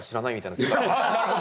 なるほど。